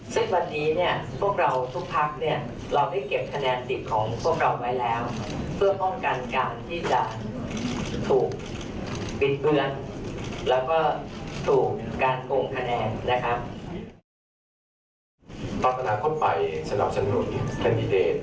ซึ่งวันนี้พวกเราทุกพักเราได้เก็บคะแนนสิบของพวกเราไว้แล้ว